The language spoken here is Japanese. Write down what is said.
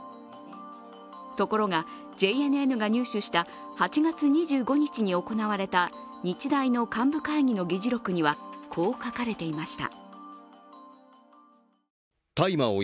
ところが、ＪＮＮが入手した８月２５日に行われた日大の幹部会議の議事録には、こう書かれていました。